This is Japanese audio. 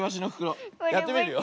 やってみるよ。